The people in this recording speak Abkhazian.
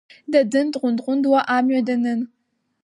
Дадын дҟәындҟәындуа амҩа данын.